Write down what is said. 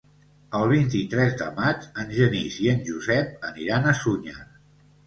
El vint-i-tres de maig en Genís i en Josep aniran a Sunyer.